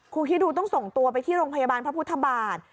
คุณคิดดูต้องส่งตัวไปที่โรงพยาบาลพระพุทธบาท